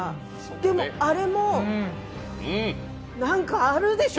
でも、あれもなんかあるでしょ？